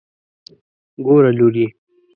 ګوره لورې.